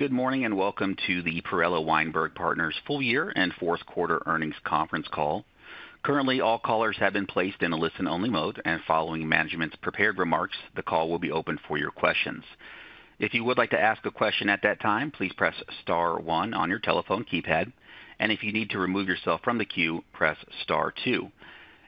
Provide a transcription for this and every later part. Good morning and welcome to the Perella Weinberg Partners Full Year and Fourth Quarter Earnings Conference Call. Currently, all callers have been placed in a listen-only mode, and following management's prepared remarks, the call will be open for your questions. If you would like to ask a question at that time, please press star one on your telephone keypad, and if you need to remove yourself from the queue, press star two.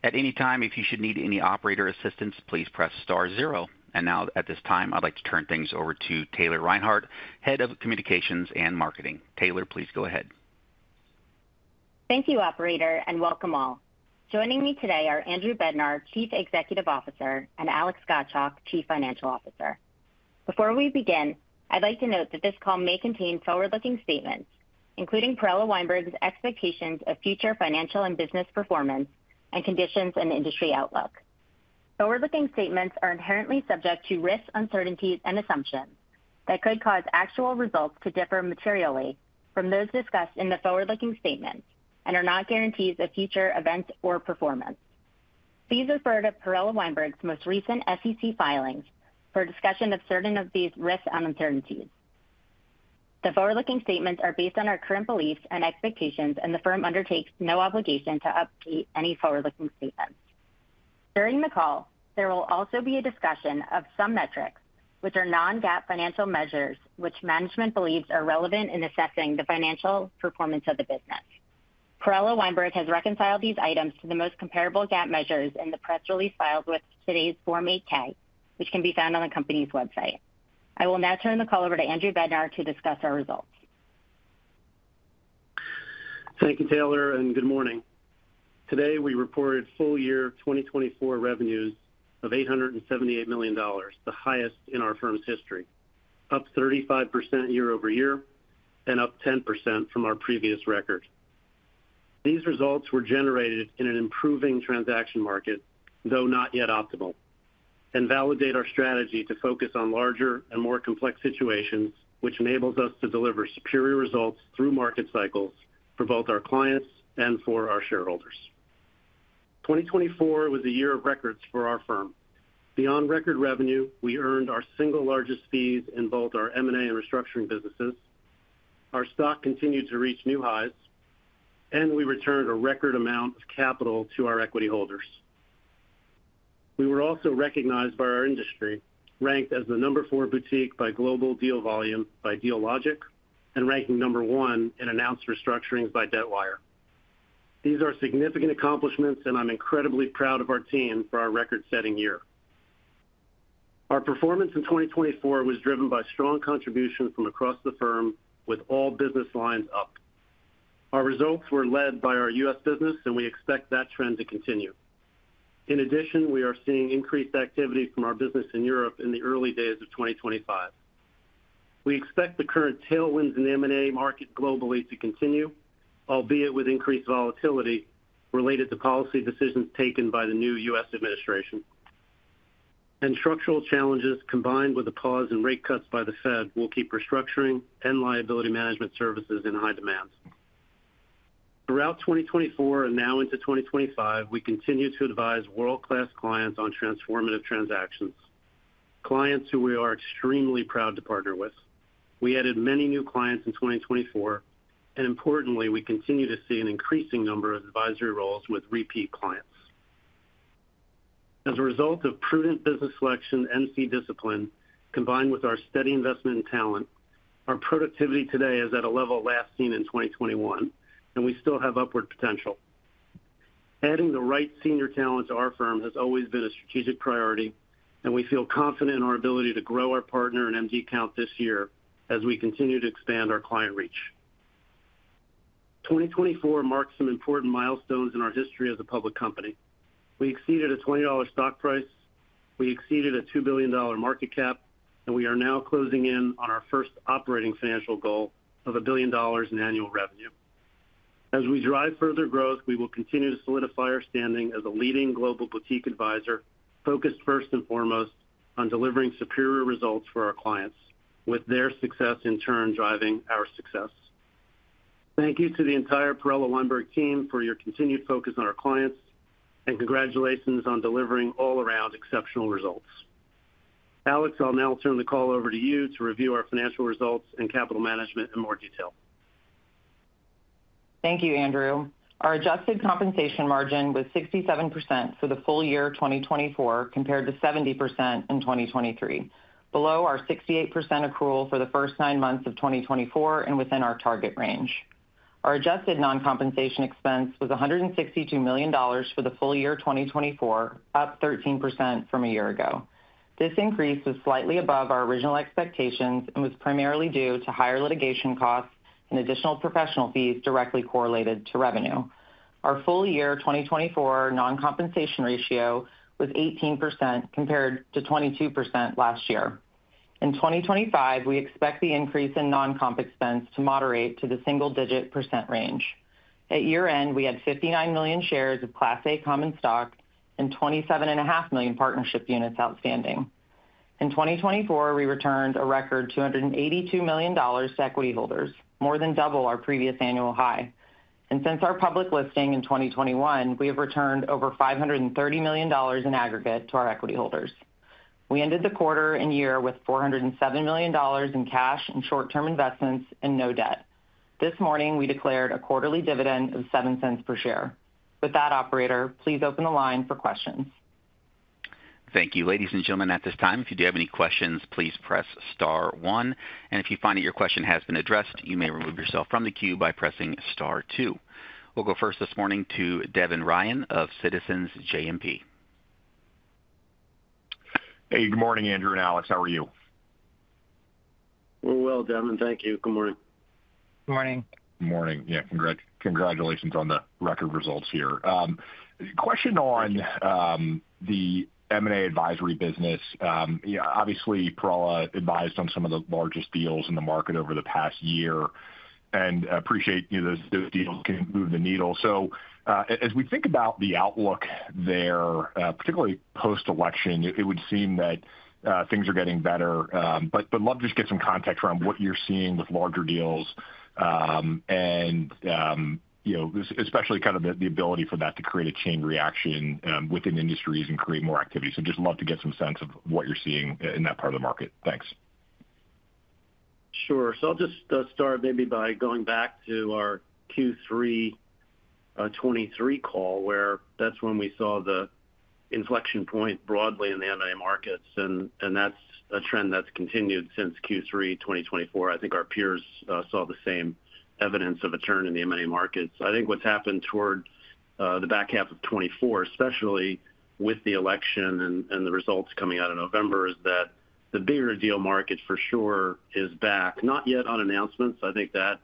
At any time, if you should need any operator assistance, please press star zero. And now, at this time, I'd like to turn things over to Taylor Reinhardt, Head of Communications and Marketing. Taylor, please go ahead. Thank you, operator, and welcome all. Joining me today are Andrew Bednar, Chief Executive Officer, and Alex Gottschalk, Chief Financial Officer. Before we begin, I'd like to note that this call may contain forward-looking statements, including Perella Weinberg's expectations of future financial and business performance and conditions and industry outlook. Forward-looking statements are inherently subject to risk, uncertainties, and assumptions that could cause actual results to differ materially from those discussed in the forward-looking statements and are not guarantees of future events or performance. Please refer to Perella Weinberg's most recent SEC filings for discussion of certain of these risks and uncertainties. The forward-looking statements are based on our current beliefs and expectations, and the firm undertakes no obligation to update any forward-looking statements. During the call, there will also be a discussion of some metrics, which are Non-GAAP financial measures, which management believes are relevant in assessing the financial performance of the business. Perella Weinberg has reconciled these items to the most comparable GAAP measures in the press release filed with today's Form 8-K, which can be found on the company's website. I will now turn the call over to Andrew Bednar to discuss our results. Thank you, Taylor, and good morning. Today, we reported full year 2024 revenues of $878 million, the highest in our firm's history, up 35% year over year and up 10% from our previous record. These results were generated in an improving transaction market, though not yet optimal, and validate our strategy to focus on larger and more complex situations, which enables us to deliver superior results through market cycles for both our clients and for our shareholders. 2024 was a year of records for our firm. Beyond record revenue, we earned our single largest fees in both our M&A and restructuring businesses. Our stock continued to reach new highs, and we returned a record amount of capital to our equity holders. We were also recognized by our industry, ranked as the number four boutique by global deal volume by Dealogic, and ranking number one in announced restructurings by Debtwire. These are significant accomplishments, and I'm incredibly proud of our team for our record-setting year. Our performance in 2024 was driven by strong contributions from across the firm, with all business lines up. Our results were led by our U.S. business, and we expect that trend to continue. In addition, we are seeing increased activity from our business in Europe in the early days of 2025. We expect the current tailwinds in M&A market globally to continue, albeit with increased volatility related to policy decisions taken by the new U.S. administration, and structural challenges combined with the pause in rate cuts by the Fed will keep restructuring and liability management services in high demand. Throughout 2024 and now into 2025, we continue to advise world-class clients on transformative transactions, clients who we are extremely proud to partner with. We added many new clients in 2024, and importantly, we continue to see an increasing number of advisory roles with repeat clients. As a result of prudent business selection and seed discipline, combined with our steady investment and talent, our productivity today is at a level last seen in 2021, and we still have upward potential. Adding the right senior talent to our firm has always been a strategic priority, and we feel confident in our ability to grow our partner and MD count this year as we continue to expand our client reach. 2024 marks some important milestones in our history as a public company. We exceeded a $20 stock price, we exceeded a $2 billion market cap, and we are now closing in on our first operating financial goal of $1 billion in annual revenue. As we drive further growth, we will continue to solidify our standing as a leading global boutique advisor, focused first and foremost on delivering superior results for our clients, with their success in turn driving our success. Thank you to the entire Perella Weinberg team for your continued focus on our clients, and congratulations on delivering all-around exceptional results. Alex, I'll now turn the call over to you to review our financial results and capital management in more detail. Thank you, Andrew. Our adjusted compensation margin was 67% for the full year 2024, compared to 70% in 2023, below our 68% accrual for the first nine months of 2024 and within our target range. Our adjusted non-compensation expense was $162 million for the full year 2024, up 13% from a year ago. This increase was slightly above our original expectations and was primarily due to higher litigation costs and additional professional fees directly correlated to revenue. Our full year 2024 non-compensation ratio was 18%, compared to 22% last year. In 2025, we expect the increase in non-comp expense to moderate to the single-digit % range. At year-end, we had 59 million shares of Class A common stock and 27.5 million partnership units outstanding. In 2024, we returned a record $282 million to equity holders, more than double our previous annual high. Since our public listing in 2021, we have returned over $530 million in aggregate to our equity holders. We ended the quarter and year with $407 million in cash and short-term investments and no debt. This morning, we declared a quarterly dividend of $0.07 per share. With that, operator, please open the line for questions. Thank you, ladies and gentlemen. At this time, if you do have any questions, please press star one, and if you find that your question has been addressed, you may remove yourself from the queue by pressing star two. We'll go first this morning to Devin Ryan of Citizens JMP. Hey, good morning, Andrew and Alex. How are you? Devin, thank you. Good morning. Good morning. Good morning. Yeah, congratulations on the record results here. Question on the M&A advisory business. Obviously, Perella advised on some of the largest deals in the market over the past year, and I appreciate those deals can move the needle. So as we think about the outlook there, particularly post-election, it would seem that things are getting better. But I'd love to just get some context around what you're seeing with larger deals, and especially kind of the ability for that to create a chain reaction within industries and create more activity. So I'd just love to get some sense of what you're seeing in that part of the market. Thanks. Sure. So I'll just start maybe by going back to our Q3 2023 call, where that's when we saw the inflection point broadly in the M&A markets, and that's a trend that's continued since Q3 2024. I think our peers saw the same evidence of a turn in the M&A markets. I think what's happened toward the back half of 2024, especially with the election and the results coming out of November, is that the bigger deal market for sure is back, not yet on announcements. I think that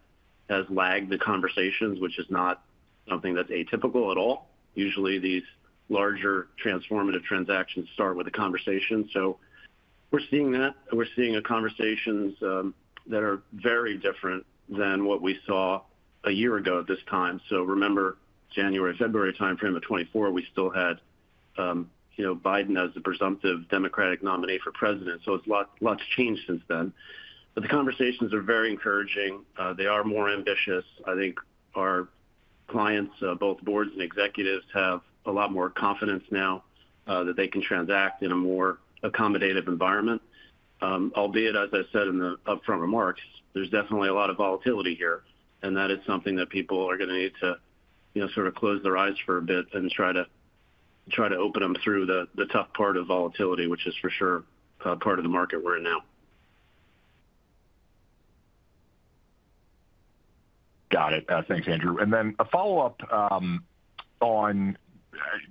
has lagged the conversations, which is not something that's atypical at all. Usually, these larger transformative transactions start with a conversation, so we're seeing that. We're seeing conversations that are very different than what we saw a year ago at this time, so remember, January, February timeframe of 2024, we still had Biden as the presumptive Democratic nominee for president. So it's lots changed since then. But the conversations are very encouraging. They are more ambitious. I think our clients, both boards and executives, have a lot more confidence now that they can transact in a more accommodative environment. Albeit, as I said in the upfront remarks, there's definitely a lot of volatility here, and that is something that people are going to need to sort of close their eyes for a bit and try to open them through the tough part of volatility, which is for sure part of the market we're in now. Got it. Thanks, Andrew. And then a follow-up on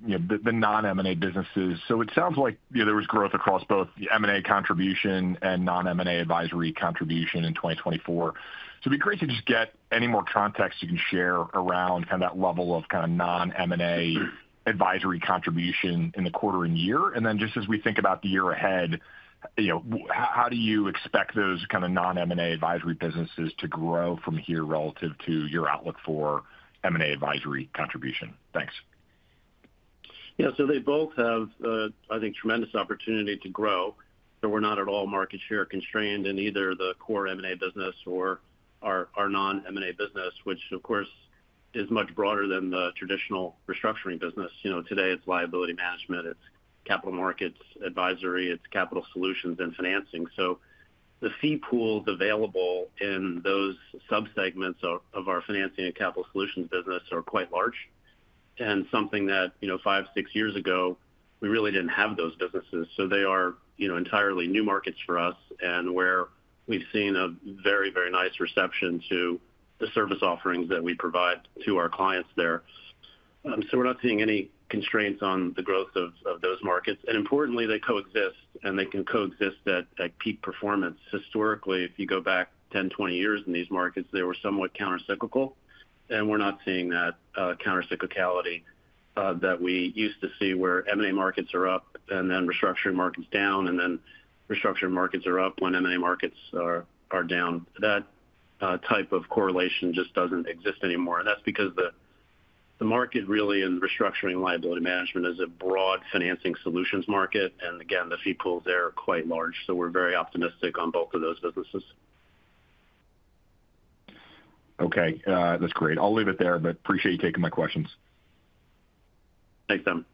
the non-M&A businesses. So it sounds like there was growth across both M&A contribution and non-M&A advisory contribution in 2024. So it'd be great to just get any more context you can share around kind of that level of kind of non-M&A advisory contribution in the quarter and year. And then just as we think about the year ahead, how do you expect those kind of non-M&A advisory businesses to grow from here relative to your outlook for M&A advisory contribution? Thanks. Yeah, so they both have, I think, tremendous opportunity to grow. So we're not at all market share constrained in either the core M&A business or our non-M&A business, which, of course, is much broader than the traditional restructuring business. Today, it's liability management, it's capital markets advisory, it's capital solutions and financing. So the seed pools available in those subsegments of our financing and capital solutions business are quite large, and something that five, six years ago, we really didn't have those businesses. So they are entirely new markets for us, and where we've seen a very, very nice reception to the service offerings that we provide to our clients there. So we're not seeing any constraints on the growth of those markets. And importantly, they coexist, and they can coexist at peak performance. Historically, if you go back 10, 20 years in these markets, they were somewhat countercyclical, and we're not seeing that countercyclicality that we used to see where M&A markets are up and then restructuring markets down, and then restructuring markets are up when M&A markets are down. That type of correlation just doesn't exist anymore. And that's because the market really in restructuring liability management is a broad financing solutions market. And again, the seed pools there are quite large. So we're very optimistic on both of those businesses. Okay. That's great. I'll leave it there, but appreciate you taking my questions. Thanks, Devin.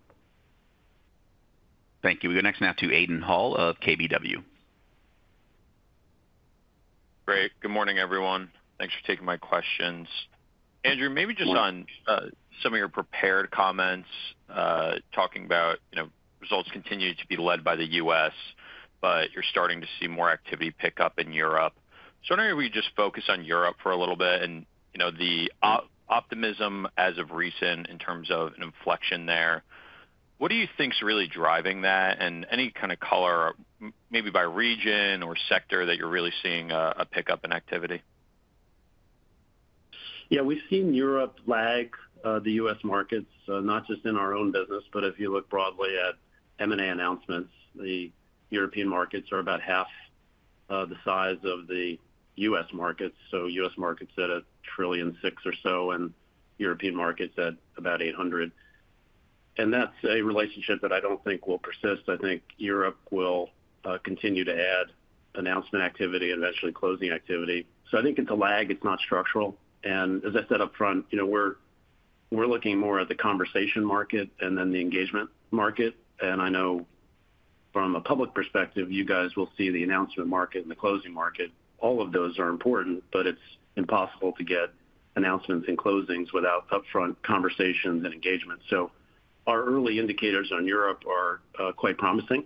Thank you. We go next now to Aidan Hall of KBW. Great. Good morning, everyone. Thanks for taking my questions. Andrew, maybe just on some of your prepared comments talking about results continue to be led by the U.S., but you're starting to see more activity pick up in Europe. So I wonder if we just focus on Europe for a little bit and the optimism as of recent in terms of an inflection there. What do you think is really driving that? And any kind of color, maybe by region or sector, that you're really seeing a pickup in activity? Yeah, we've seen Europe lag the U.S. markets, not just in our own business, but if you look broadly at M&A announcements, the European markets are about half the size of the U.S. markets. U.S. markets at $1.6 trillion or so, and European markets at about $800 billion. That's a relationship that I don't think will persist. I think Europe will continue to add announcement activity and eventually closing activity. I think it's a lag. It's not structural. As I said upfront, we're looking more at the conversation market and then the engagement market. I know from a public perspective, you guys will see the announcement market and the closing market. All of those are important, but it's impossible to get announcements and closings without upfront conversations and engagement. Our early indicators on Europe are quite promising.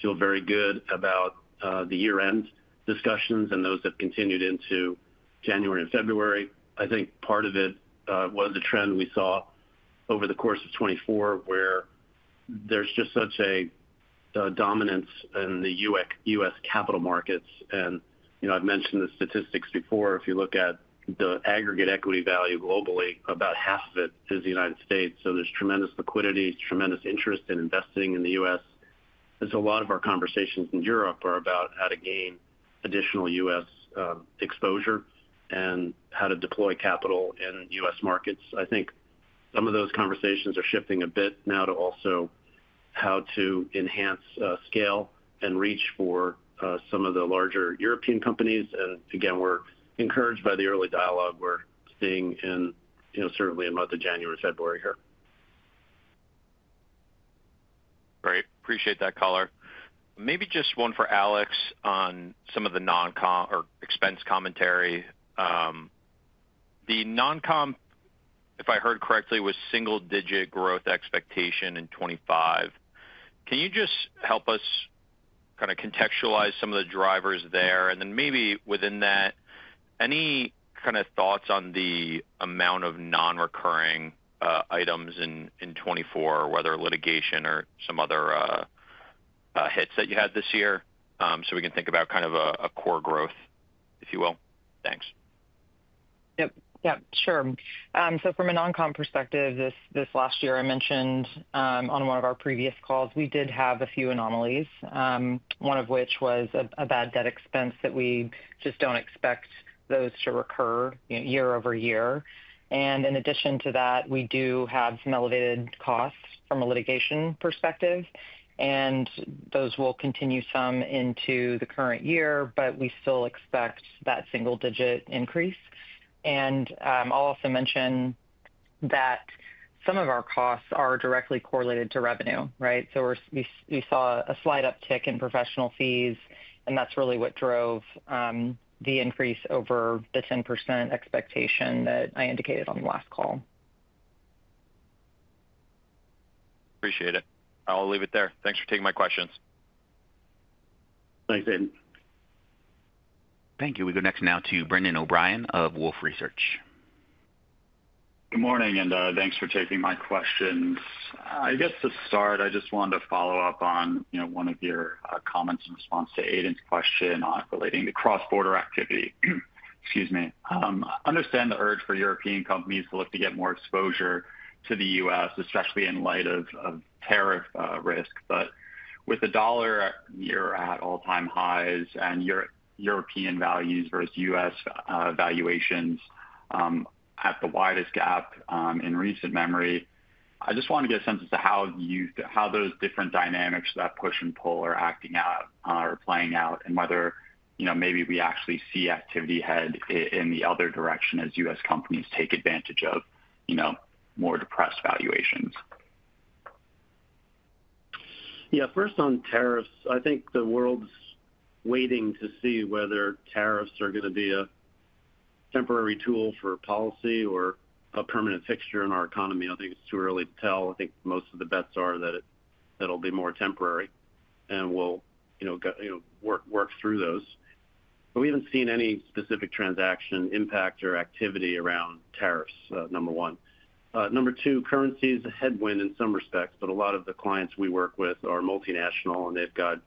Feel very good about the year-end discussions and those that continued into January and February. I think part of it was a trend we saw over the course of 2024, where there's just such a dominance in the U.S. capital markets. And I've mentioned the statistics before. If you look at the aggregate equity value globally, about half of it is the United States. So there's tremendous liquidity, tremendous interest in investing in the U.S. And so a lot of our conversations in Europe are about how to gain additional U.S. exposure and how to deploy capital in U.S. markets. I think some of those conversations are shifting a bit now to also how to enhance scale and reach for some of the larger European companies. And again, we're encouraged by the early dialogue we're seeing, certainly, in the month of January and February here. Great. Appreciate that, color. Maybe just one for Alex on some of the non-comp or expense commentary. The non-comp, if I heard correctly, was single-digit growth expectation in 2025. Can you just help us kind of contextualize some of the drivers there? And then maybe within that, any kind of thoughts on the amount of non-recurring items in 2024, whether litigation or some other hits that you had this year? So we can think about kind of a core growth, if you will. Thanks. Yep. Yep. Sure. So from a non-comp perspective, this last year I mentioned on one of our previous calls, we did have a few anomalies, one of which was a bad debt expense that we just don't expect those to recur year over year. And in addition to that, we do have some elevated costs from a litigation perspective, and those will continue some into the current year, but we still expect that single-digit increase. And I'll also mention that some of our costs are directly correlated to revenue, right? So we saw a slight uptick in professional fees, and that's really what drove the increase over the 10% expectation that I indicated on the last call. Appreciate it. I'll leave it there. Thanks for taking my questions. Thanks, Aiden. Thank you. We go next now to Brendan O’Brien of Wolfe Research. Good morning, and thanks for taking my questions. I guess to start, I just wanted to follow up on one of your comments in response to Aidan's question relating to cross-border activity. Excuse me. I understand the urge for European companies to look to get more exposure to the U.S., especially in light of tariff risk. But with the dollar near at all-time highs and European values versus U.S. valuations at the widest gap in recent memory, I just want to get a sense as to how those different dynamics that push and pull are acting out or playing out, and whether maybe we actually see activity head in the other direction as U.S. companies take advantage of more depressed valuations. Yeah. First, on tariffs, I think the world's waiting to see whether tariffs are going to be a temporary tool for policy or a permanent fixture in our economy. I think it's too early to tell. I think most of the bets are that it'll be more temporary and we'll work through those. But we haven't seen any specific transaction impact or activity around tariffs, number one. Number two, currency is a headwind in some respects, but a lot of the clients we work with are multinational, and they've got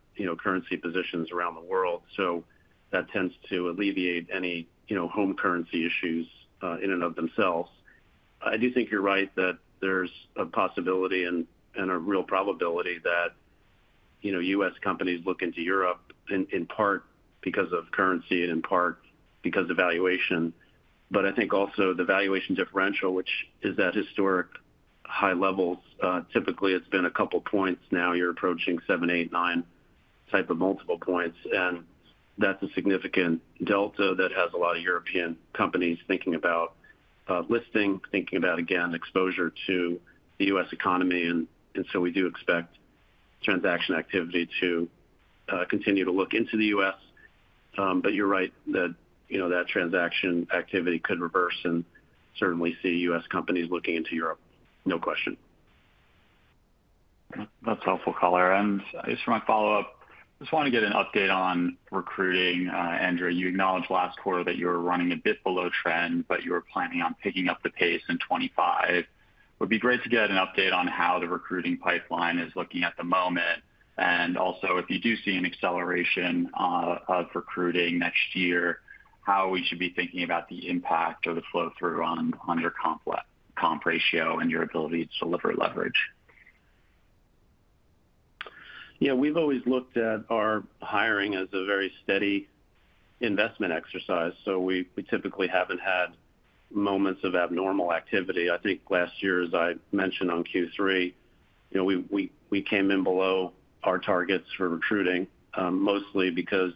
currency positions around the world. So that tends to alleviate any home currency issues in and of themselves. I do think you're right that there's a possibility and a real probability that U.S. companies look into Europe in part because of currency and in part because of valuation. But I think also the valuation differential, which is at historic high levels, typically it's been a couple points. Now you're approaching seven, eight, nine type of multiple points. And that's a significant delta that has a lot of European companies thinking about listing, thinking about, again, exposure to the U.S. economy. And so we do expect transaction activity to continue to look into the U.S. But you're right that that transaction activity could reverse and certainly see U.S. companies looking into Europe, no question. That's helpful, color. And just for my follow-up, I just want to get an update on recruiting. Andrew, you acknowledged last quarter that you were running a bit below trend, but you were planning on picking up the pace in 2025. It would be great to get an update on how the recruiting pipeline is looking at the moment. And also, if you do see an acceleration of recruiting next year, how we should be thinking about the impact of the flow-through on your comp ratio and your ability to deliver leverage. Yeah. We've always looked at our hiring as a very steady investment exercise. So we typically haven't had moments of abnormal activity. I think last year, as I mentioned on Q3, we came in below our targets for recruiting, mostly because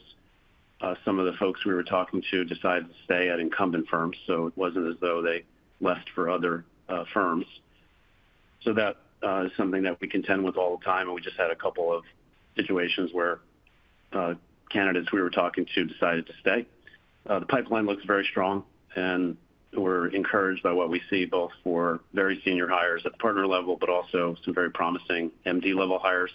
some of the folks we were talking to decided to stay at incumbent firms. So it wasn't as though they left for other firms. So that is something that we contend with all the time, and we just had a couple of situations where candidates we were talking to decided to stay. The pipeline looks very strong, and we're encouraged by what we see both for very senior hires at the partner level, but also some very promising MD-level hires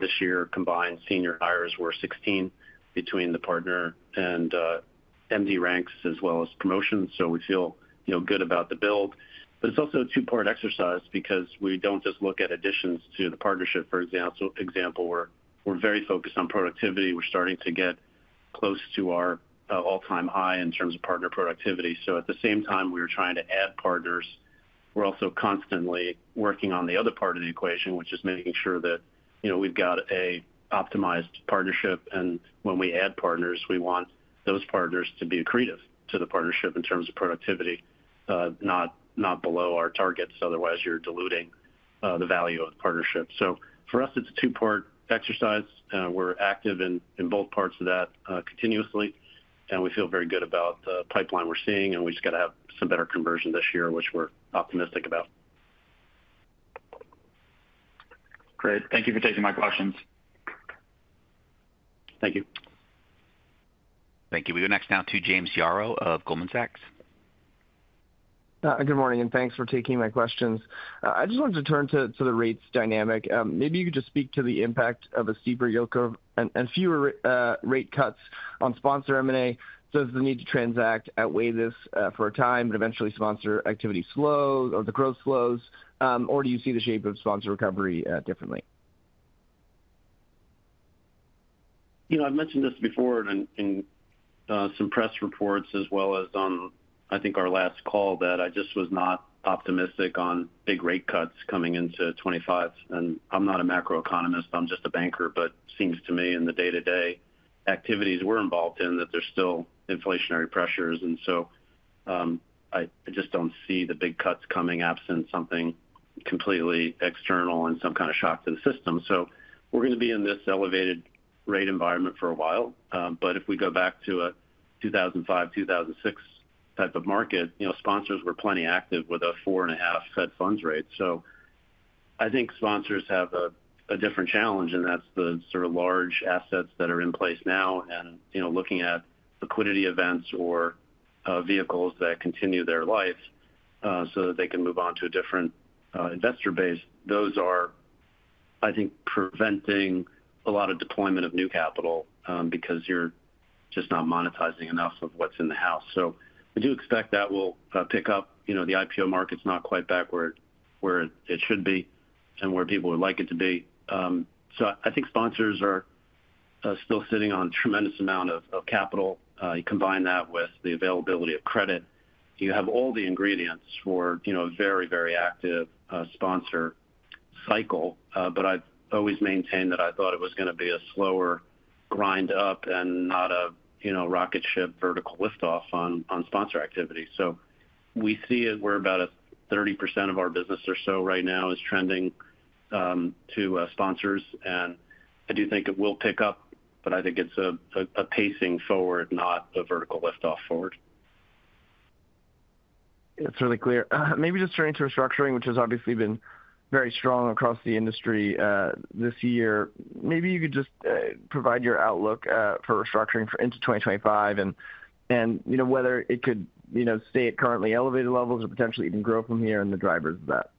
this year. Combined senior hires were 16 between the partner and MD ranks as well as promotions. So we feel good about the build. But it's also a two-part exercise because we don't just look at additions to the partnership. For example, we're very focused on productivity. We're starting to get close to our all-time high in terms of partner productivity. So at the same time, we were trying to add partners. We're also constantly working on the other part of the equation, which is making sure that we've got an optimized partnership. And when we add partners, we want those partners to be accretive to the partnership in terms of productivity, not below our targets. Otherwise, you're diluting the value of the partnership. So for us, it's a two-part exercise. We're active in both parts of that continuously, and we feel very good about the pipeline we're seeing. And we just got to have some better conversion this year, which we're optimistic about. Great. Thank you for taking my questions. Thank you. Thank you. We go next now to James Yaro of Goldman Sachs. Good morning, and thanks for taking my questions. I just wanted to turn to the rates dynamic. Maybe you could just speak to the impact of a steeper yield curve and fewer rate cuts on sponsor M&A. Does the need to transact outweigh this for a time, but eventually sponsor activity slows or the growth slows, or do you see the shape of sponsor recovery differently? You know, I've mentioned this before in some press reports as well as on, I think, our last call, that I just was not optimistic on big rate cuts coming into 2025. I'm not a macroeconomist. I'm just a banker, but it seems to me in the day-to-day activities we're involved in that there's still inflationary pressures. So I just don't see the big cuts coming absent something completely external and some kind of shock to the system. We're going to be in this elevated rate environment for a while. If we go back to a 2005, 2006 type of market, sponsors were plenty active with a four-and-a-half Fed funds rate. So I think sponsors have a different challenge, and that's the sort of large assets that are in place now. Looking at liquidity events or vehicles that continue their life so that they can move on to a different investor base, those are, I think, preventing a lot of deployment of new capital because you're just not monetizing enough of what's in the house. So I do expect that will pick up. The IPO market's not quite back where it should be and where people would like it to be. So I think sponsors are still sitting on a tremendous amount of capital. You combine that with the availability of credit, you have all the ingredients for a very, very active sponsor cycle. But I've always maintained that I thought it was going to be a slower grind up and not a rocket ship vertical liftoff on sponsor activity. So we see it where about 30% of our business or so right now is trending to sponsors. I do think it will pick up, but I think it's a pacing forward, not a vertical liftoff forward. That's really clear. Maybe just turning to restructuring, which has obviously been very strong across the industry this year. Maybe you could just provide your outlook for restructuring going into 2025 and whether it could stay at currently elevated levels or potentially even grow from here and the drivers of that?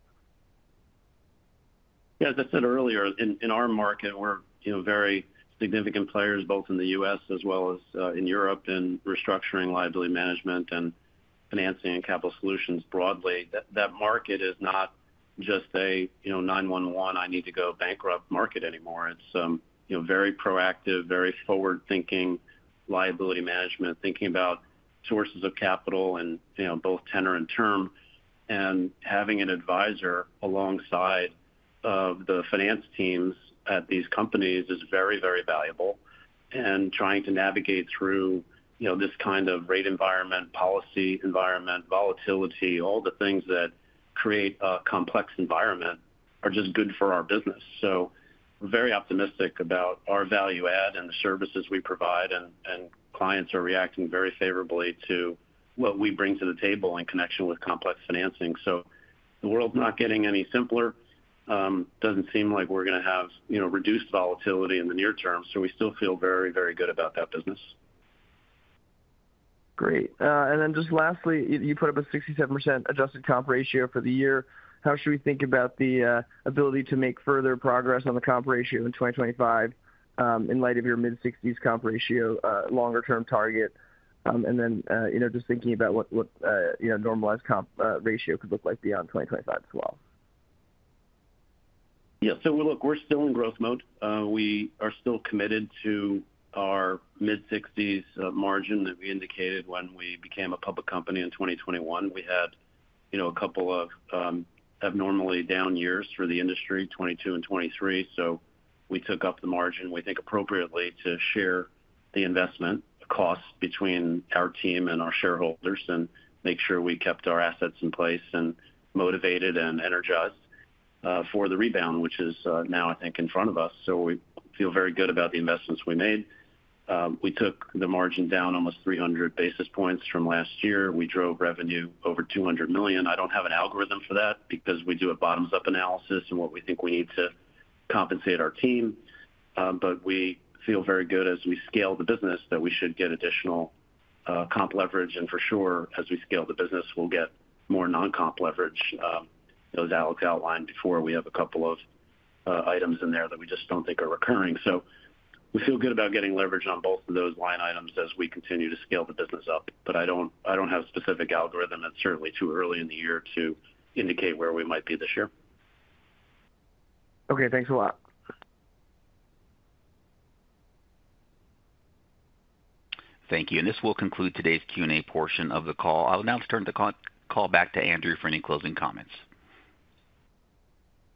Yeah. As I said earlier, in our market, we're very significant players both in the U.S. as well as in Europe in restructuring, liability management, and financing and capital solutions broadly. That market is not just a 911, I need to go bankrupt market anymore. It's very proactive, very forward-thinking liability management, thinking about sources of capital in both tenor and term, and having an advisor alongside of the finance teams at these companies is very, very valuable, and trying to navigate through this kind of rate environment, policy environment, volatility, all the things that create a complex environment are just good for our business, so we're very optimistic about our value add and the services we provide, and clients are reacting very favorably to what we bring to the table in connection with complex financing, so the world's not getting any simpler. It doesn't seem like we're going to have reduced volatility in the near term, so we still feel very, very good about that business. Great. And then just lastly, you put up a 67% adjusted comp ratio for the year. How should we think about the ability to make further progress on the comp ratio in 2025 in light of your mid-60s comp ratio longer-term target? And then just thinking about what normalized comp ratio could look like beyond 2025 as well. Yeah. So we're still in growth mode. We are still committed to our mid-60s margin that we indicated when we became a public company in 2021. We had a couple of abnormally down years for the industry, 2022 and 2023. So we took up the margin, we think appropriately, to share the investment costs between our team and our shareholders and make sure we kept our assets in place and motivated and energized for the rebound, which is now, I think, in front of us. So we feel very good about the investments we made. We took the margin down almost 300 basis points from last year. We drove revenue over $200 million. I don't have an algorithm for that because we do a bottoms-up analysis and what we think we need to compensate our team. But we feel very good as we scale the business that we should get additional comp leverage. And for sure, as we scale the business, we'll get more non-comp leverage, those outlooks outlined before. We have a couple of items in there that we just don't think are recurring. So we feel good about getting leverage on both of those line items as we continue to scale the business up. But I don't have a specific algorithm. It's certainly too early in the year to indicate where we might be this year. Okay. Thanks a lot. Thank you, and this will conclude today's Q&A portion of the call. I'll now turn the call back to Andrew for any closing comments.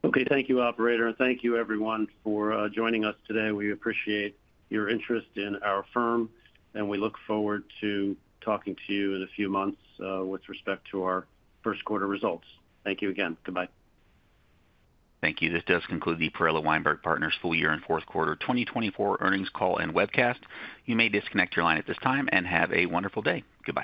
Okay. Thank you, Operator. And thank you, everyone, for joining us today. We appreciate your interest in our firm, and we look forward to talking to you in a few months with respect to our first quarter results. Thank you again. Goodbye. Thank you. This does conclude the Perella Weinberg Partners full year and fourth quarter 2024 earnings call and webcast. You may disconnect your line at this time and have a wonderful day. Goodbye.